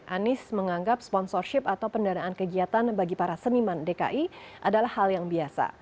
anies menganggap sponsorship atau pendanaan kegiatan bagi para seniman dki adalah hal yang biasa